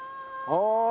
おい。